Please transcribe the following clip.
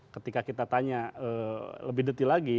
ketika kita tanya lebih detail lagi